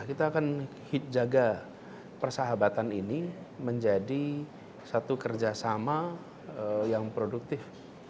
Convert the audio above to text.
tapi kita juga harus menjaga persahabatan ini menjadi satu kerjasama yang produktif